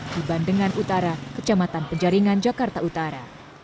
di bandengan utara kecamatan penjaringan jakarta utara